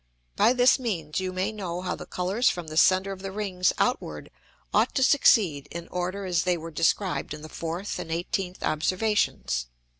By this means you may know how the Colours from the center of the Rings outward ought to succeed in order as they were described in the 4th and 18th Observations.